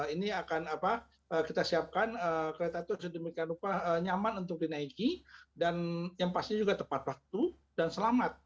ini akan kita siapkan kereta itu sedemikian rupa nyaman untuk dinaiki dan yang pasti juga tepat waktu dan selamat